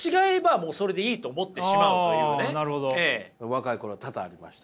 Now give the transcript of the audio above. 若い頃多々ありました。